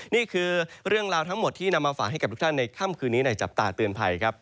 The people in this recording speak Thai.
นี่คือเรื่องราวทั้งหมดที่นำมาฝากให้กับทุกท่านในค่ำคืนนี้ในจับตาเตือนภัยครับ